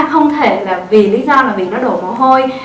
không thể vì lý do là vì nó đổ mổ hôi